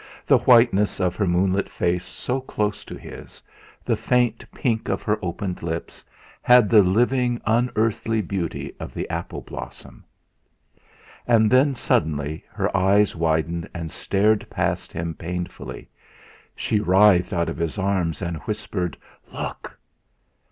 The whiteness of her moonlit face so close to his, the faint pink of her opened lips, had the living unearthly beauty of the apple blossom. And then, suddenly, her eyes widened and stared past him painfully; she writhed out of his arms, and whispered: "Look!"